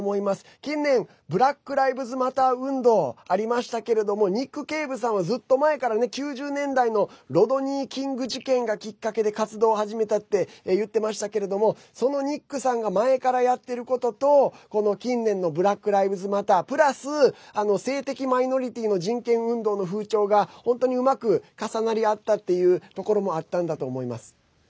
近年ブラックライブズマター運動ありましたけれどもニック・ケイブさんはずっと前からね９０年代のロドニー・キング事件がきっかけで活動を始めたって言っていましたけれどもそのニックさんが前からやっていることとこの近年のブラックライブズマタープラス性的マイノリティーの人権運動の風潮が本当に、うまく重なり合ったっていうところもあったんだと思います。